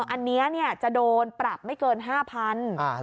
อันนี้จะโดนปรับไม่เกิน๕๐๐บาท